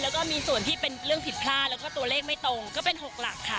แล้วก็มีส่วนที่เป็นเรื่องผิดพลาดแล้วก็ตัวเลขไม่ตรงก็เป็น๖หลักค่ะ